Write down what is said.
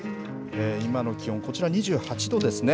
今の気温、こちら２８度ですね。